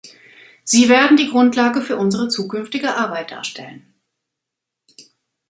Sie werden die Grundlage für unsere zukünftige Arbeit darstellen.